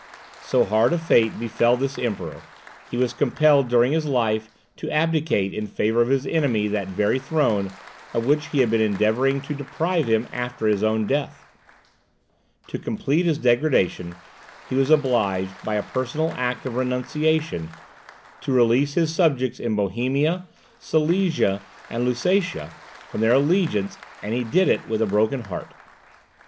So hard a fate befell this Emperor; he was compelled, during his life, to abdicate in favour of his enemy that very throne, of which he had been endeavouring to deprive him after his own death. To complete his degradation, he was obliged, by a personal act of renunciation, to release his subjects in Bohemia, Silesia, and Lusatia from their allegiance, and he did it with a broken heart.